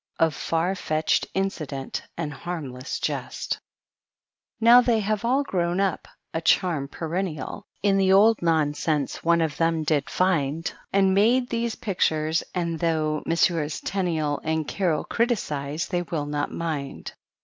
Of farfetched incident and harmless jest. PREFACE. Now they have all grown up, — a charm perennial In the old nonsense one of them did find, And made these pictures ; and, though Messrs. Tenniel And Carroll criticise^ they will not mind.